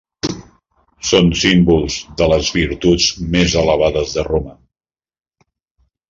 Són símbols de les virtuts més elevades de Roma.